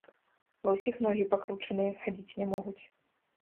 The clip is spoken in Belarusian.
Ва ўсіх ногі пакручаныя, хадзіць не могуць.